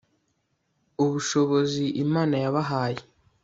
ubushobozi Imana yabahaye